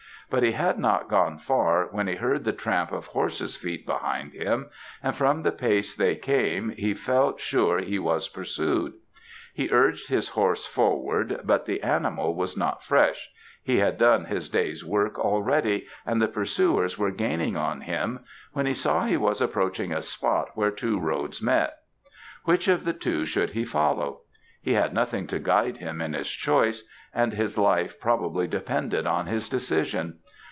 But he had not gone far, when he heard the tramp of horses' feet behind him, and from the pace they came, he felt sure he was pursued. He urged his horse forward, but the animal was not fresh he had done his day's work already, and the pursuers were gaining on him, when he saw he was approaching a spot where two roads met. Which of the two should he follow? He had nothing to guide him in his choice, and his life probably depended on his decision!